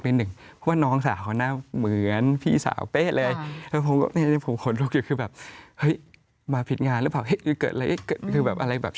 แล้วอารมณ์ของคุณในครอบครัวเป็นยังไงคะ